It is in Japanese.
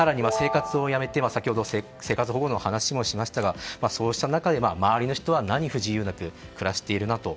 更には生活保護の話もしましたがそうした中で周りの人は何不自由なく暮らしているなと。